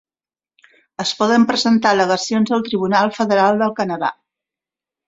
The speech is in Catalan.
Es poden presentar al·legacions al Tribunal Federal del Canadà.